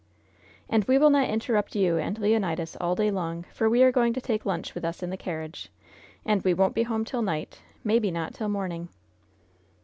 "And we will not interrupt you and Leonidas all day long, for we are going to take lunch with us in the carriage, and we won't be home till night maybe not till morning!